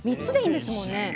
３つでいいんですもんね。